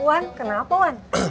wan kenapa wan